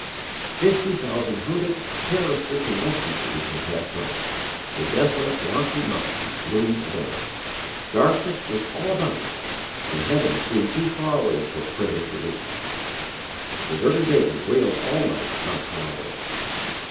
"Fifty thousand hunted, terror stricken refugees had passed on; the desolate, rocky mountains loomed above us, darkness was all about us and heaven seemed too far away for prayer to reach. A deserted baby wailed all night not far away.